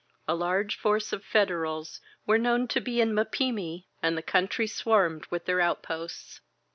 A large force of Federals were known to be in Mapimi, and the country swarmed with their outposts.